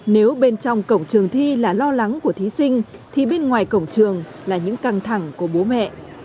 nếu bên trong cổng trường thi là lo lắng của thí sinh thì bên ngoài cổng trường là những căng thẳng của bố mẹ